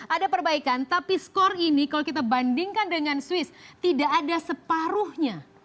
ada perbaikan tapi skor ini kalau kita bandingkan dengan swiss tidak ada separuhnya